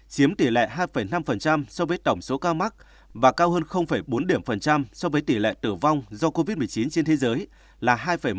chiếm tỷ lệ hai năm so với tổng số ca mắc và cao hơn bốn điểm phần trăm so với tỷ lệ tử vong do covid một mươi chín trên thế giới là hai một